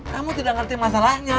kamu yang tidak mengerti masalahnya